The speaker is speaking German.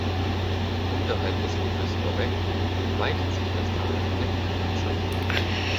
Unterhalb des Hofes Röbbeck weitet sich das Tal in eine Wiesenlandschaft.